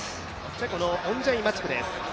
チェコのオンジェイ・マチクです。